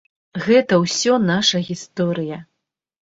Гэта ўсё наша гісторыя.